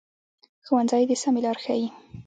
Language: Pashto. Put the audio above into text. ښوونځی د سمه لار ښيي